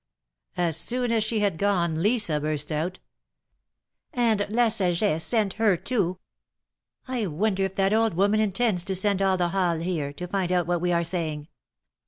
As soon as she had gone, Lisa burst out : ^^And La Saget sent her, too. I wonder if that old woman intends to send all the Halles here, to find out what we are saying